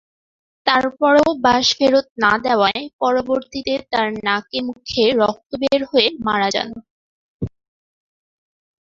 তারপরও বাঁশ ফেরত না দেওয়ায় পরবর্তীতে তার নাকে মুখে রক্ত বের হয়ে মারা যান।